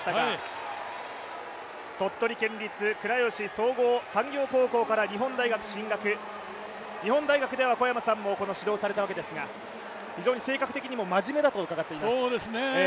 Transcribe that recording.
鳥取県立倉吉総合産業高校から日本大学進学、日本大学では小山さんも指導されたわけですが非常に性格的にも真面目だと伺っています。